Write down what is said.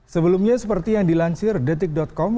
sebelumnya seperti yang dilansir detik com